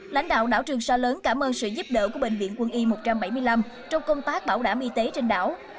lãnh đạo đảo trường sa lớn cảm ơn sự giúp đỡ của bệnh viện quân y một trăm bảy mươi năm trong công tác bảo đảm y tế trên đảo